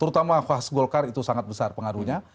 terutama khas golkar itu sangat besar pengaruhnya